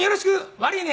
「悪いね。